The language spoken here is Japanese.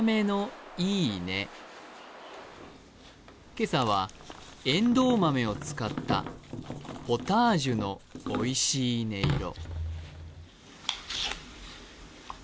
今朝はえんどう豆を使ったポタージュのおいしい音色。